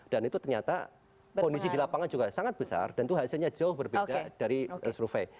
dan itu ternyata kondisi di lapangan juga sangat besar dan itu hasilnya jauh berbeda dari survei